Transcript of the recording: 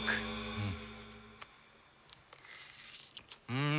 うん！